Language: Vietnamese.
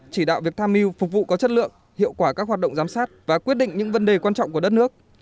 chỉ đạo việc tham mưu phục vụ có chất lượng hiệu quả các hoạt động giám sát và quyết định những vấn đề quan trọng của đất nước